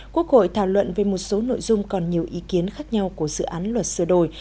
quốc hội thảo luận về một số nội dung còn nhiều ý kiến khác nhau của dự án luật sửa đổi